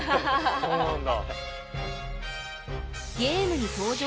そうなんだ。